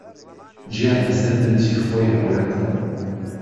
گیا لهسهر بنجی خۆی ئهڕوێتهوه